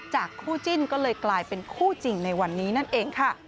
คู่จิ้นก็เลยกลายเป็นคู่จริงในวันนี้นั่นเองค่ะ